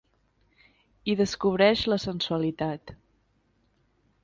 Hi descobreix la sensualitat.